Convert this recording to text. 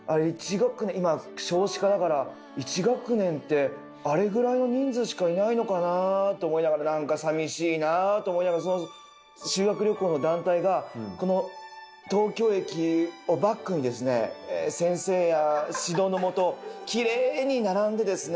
今少子化だから１学年ってあれぐらいの人数しかいないのかなと思いながら何か寂しいなと思いながら修学旅行の団体がこの東京駅をバックにですね先生や指導のもときれいに並んでですね